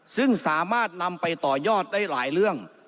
ซึ่งสามารถนำไปต่อยอดได้หลายเรื่อง